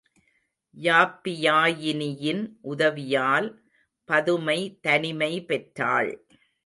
யாப்பியாயினியின் உதவியால் பதுமை தனிமை பெற்றாள்.